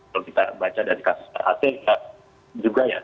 kalau kita baca dari kasus terakhir kita juga ya